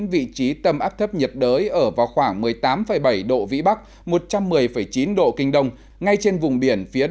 vị trí tâm áp thấp nhiệt đới ở vào khoảng một mươi tám bảy độ vĩ bắc một trăm một mươi chín độ kinh đông ngay trên vùng biển phía